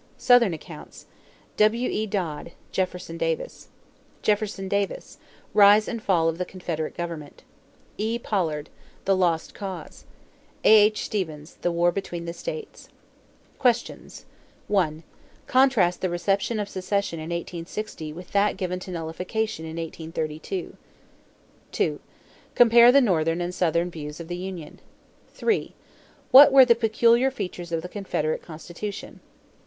SOUTHERN ACCOUNTS W.E. Dodd, Jefferson Davis. Jefferson Davis, Rise and Fall of the Confederate Government. E. Pollard, The Lost Cause. A.H. Stephens, The War between the States. =Questions= 1. Contrast the reception of secession in 1860 with that given to nullification in 1832. 2. Compare the Northern and Southern views of the union. 3. What were the peculiar features of the Confederate constitution?